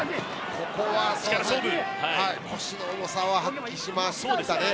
ここは腰の重さを発揮しましたね。